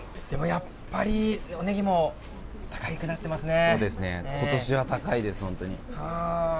やっぱりネギも高くなっていますね。